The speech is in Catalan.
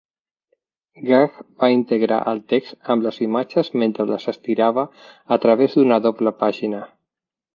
Gag va integrar el text amb les imatges mentre les estirava a través d'una doble pàgina.